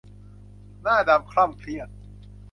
หน้าดำคร่ำเครียด